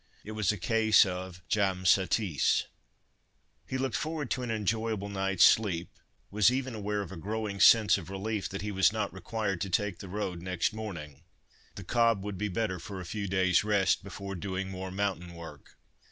It was a case of jam satis. He looked forward to an enjoyable night's sleep, was even aware of a growing sense of relief that he was not required to take the road next morning. The cob would be better for a few days' rest, before doing more mountain work.